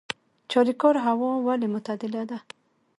چاریکار هوا ولې معتدله ده؟